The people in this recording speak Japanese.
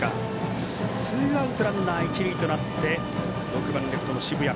ツーアウトランナー、一塁となって６番レフトの澁谷。